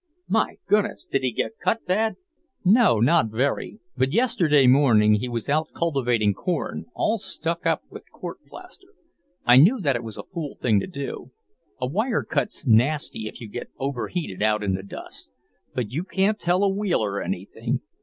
"My goodness! Did he get cut bad?" "No, not very, but yesterday morning he was out cultivating corn, all stuck up with court plaster. I knew that was a fool thing to do; a wire cut's nasty if you get overheated out in the dust. But you can't tell a Wheeler anything.